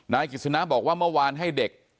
นายกิจสนะบอกว่าเมื่อวานให้เด็ก